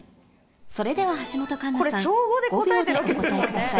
それでは橋本環奈さん、５秒でお答えください。